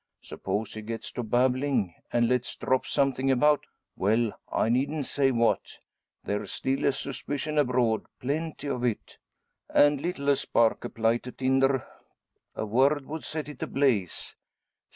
Suppose he gets to babbling, and lets drop something about well, I needn't say what. There's still suspicion abroad plenty of it, and like a spark applied to tinder, a word would set it ablaze."